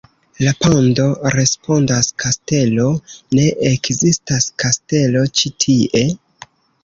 La pando respondas: "Kastelo? Ne ekzistas kastelo ĉi tie."